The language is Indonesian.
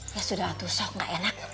ya sudah waktu shock gak enak